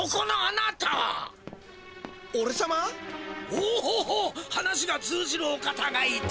おお話が通じるお方がいた！